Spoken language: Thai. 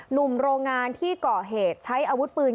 หนุ่มโรงงานที่เกาะเหตุใช้อาวุธปืน